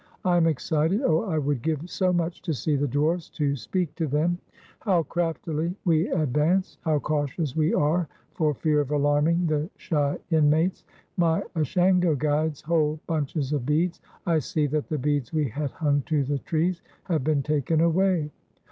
I am excited — oh, I would give so much to see the dwarfs, to speak to them ! How craftily we advance ! how cautious we are for fear of alarming the shy inmates! My Ashango guides hold bunches of beads. I see that the beads we had hung to the trees have been taken away.